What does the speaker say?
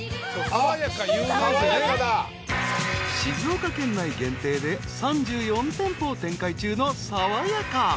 ［静岡県内限定で３４店舗を展開中のさわやか］